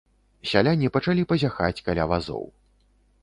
Сяляне пачалі пазяхаць каля вазоў.